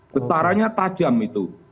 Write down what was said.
getarannya tajam itu